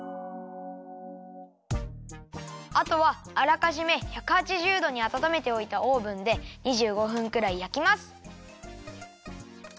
あとはあらかじめ１８０どにあたためておいたオーブンで２５分くらいやきます。